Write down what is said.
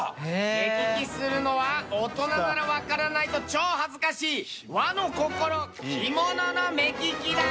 目利きするのは大人ならわからないと超恥ずかしい和の心着物の目利きだ！